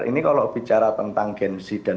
ini kalau bicara tentang gensi dan